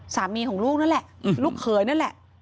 สามีของลูกนั่นแหละลูกเขยนั่นแหละ